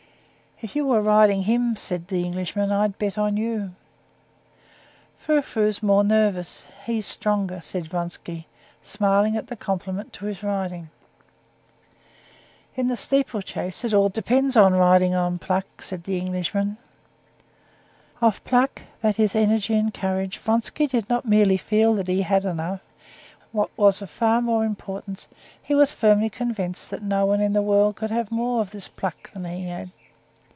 "If you were riding him," said the Englishman, "I'd bet on you." "Frou Frou's more nervous; he's stronger," said Vronsky, smiling at the compliment to his riding. "In a steeplechase it all depends on riding and on pluck," said the Englishman. Of pluck—that is, energy and courage—Vronsky did not merely feel that he had enough; what was of far more importance, he was firmly convinced that no one in the world could have more of this "pluck" than he had.